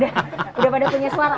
udah pada punya suara